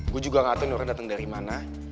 gue juga gak tau ini orang dateng dari mana